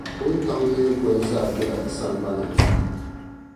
Wuntaŋa mini goli zaa bela sagbana ni.